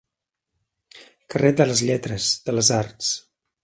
Carnet de les lletres, de les arts.